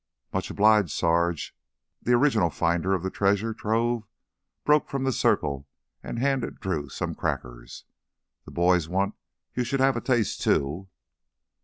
"Much obliged, Sarge." The original finder of the treasure trove broke from the circle and handed Drew some crackers. "The boys want you should have a taste, too."